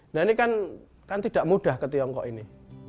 nah ini kan tidak mudah ke tiongkok ini